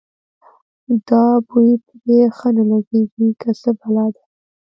دا بوی پرې ښه نه لګېږي که څه بلا ده.